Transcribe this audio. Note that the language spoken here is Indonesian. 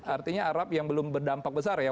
artinya arab yang belum berdampak besar ya